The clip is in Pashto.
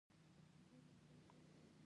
نیمګړی خط لس نښې درلودې.